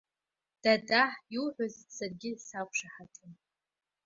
Дадаҳ, иуҳәаз саргьы сақәшаҳаҭым.